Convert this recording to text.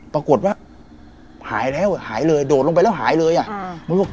ปรากฏว่าหายแล้วอ่ะหายเลยโดดลงไปแล้วหายเลยอ่ะอ่า